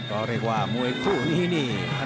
ก็เรียกว่ามวยคู่นี้นี่